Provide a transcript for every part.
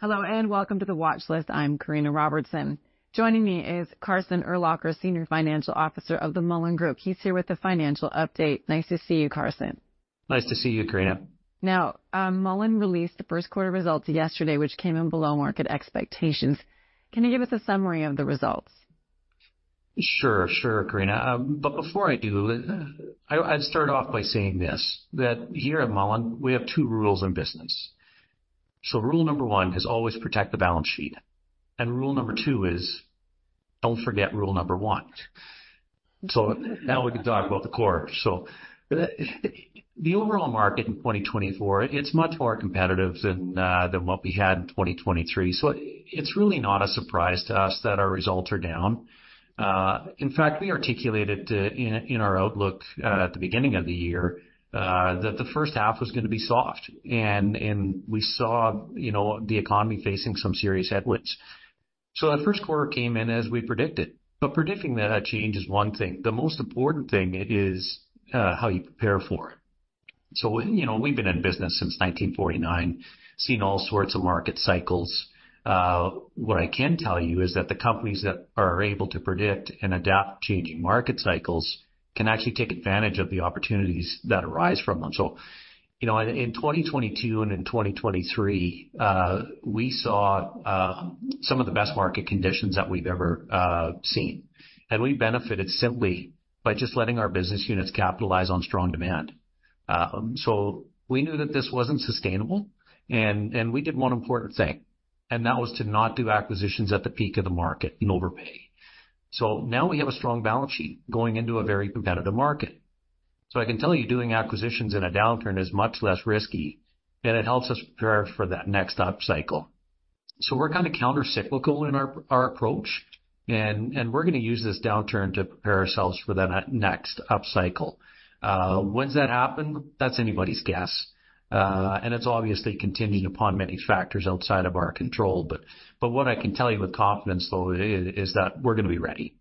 Hello, welcome to The Watchlist. I'm Karina Robertson. Joining me is Carson Urlacher, Senior Financial Officer of the Mullen Group. He's here with the financial update. Nice to see you, Carson. Nice to see you, Karina. Mullen released the first quarter results yesterday, which came in below market expectations. Can you give us a summary of the results? Sure, sure, Karina. Before I do, I'd start off by saying this, that here at Mullen, we have two rules in business. Rule number one is always protect the balance sheet, and rule number two is, don't forget rule number one. Now we can talk about the core. The overall market in 2024, it's much more competitive than what we had in 2023. It's really not a surprise to us that our results are down. In fact, we articulated in our outlook at the beginning of the year, that the first half was gonna be soft, and we saw, you know, the economy facing some serious headwinds. That first quarter came in as we predicted, but predicting that change is one thing. The most important thing is how you prepare for it. You know, we've been in business since 1949, seen all sorts of market cycles. What I can tell you is that the companies that are able to predict and adapt changing market cycles can actually take advantage of the opportunities that arise from them. You know, in 2022 and in 2023, we saw some of the best market conditions that we've ever seen, and we benefited simply by just letting our business units capitalize on strong demand. We knew that this wasn't sustainable, and we did one important thing, and that was to not do acquisitions at the peak of the market and overpay. Now we have a strong balance sheet going into a very competitive market. I can tell you, doing acquisitions in a downturn is much less risky, and it helps us prepare for that next upcycle. We're kind of countercyclical in our approach, and we're gonna use this downturn to prepare ourselves for that next upcycle. When's that happen? That's anybody's guess. It's obviously contingent upon many factors outside of our control, but what I can tell you with confidence, though, is that we're gonna be ready.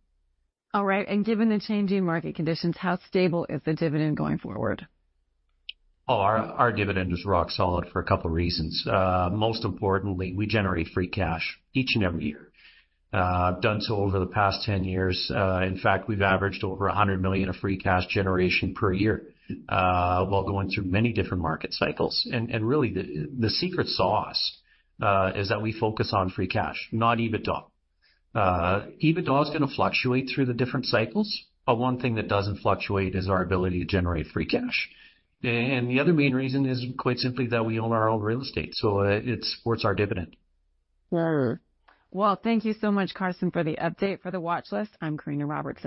All right, given the changing market conditions, how stable is the dividend going forward? Our dividend is rock solid for a couple reasons. Most importantly, we generate free cash each and every year. Done so over the past 10 years. In fact, we've averaged over 100 million of free cash generation per year while going through many different market cycles. Really, the secret sauce is that we focus on free cash, not EBITDA. EBITDA is gonna fluctuate through the different cycles, but one thing that doesn't fluctuate is our ability to generate free cash. The other main reason is quite simply, that we own our own real estate. It supports our dividend. Well, thank you so much, Carson, for the update. For The Watchlist, I'm Karina Robertson.